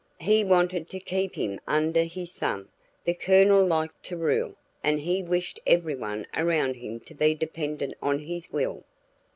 "He wanted to keep him under his thumb. The Colonel liked to rule, and he wished everyone around him to be dependent on his will."